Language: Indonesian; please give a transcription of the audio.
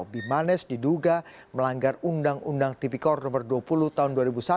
bimanesh diduga melanggar undang undang tipikor nomor dua puluh tahun dua ribu satu